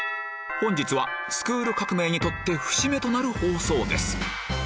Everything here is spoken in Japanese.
本日は『スクール革命！』にとって節目となる放送です